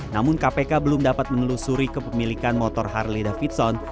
namun kpk belum dapat menelusuri kepemilikan motor harley davidson